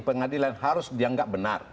pengadilan harus dianggap benar